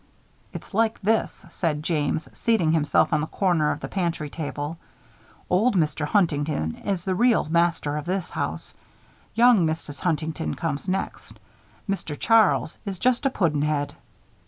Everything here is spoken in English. "It's like this," said James, seating himself on the corner of the pantry table. "Old Mr. Huntington is the real master of this house. Young Mrs. Huntington comes next. Mr. Charles is just a puddin' head."